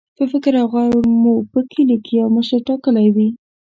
په فکر او غور مو په کلي کې یو مشر ټاکلی وي.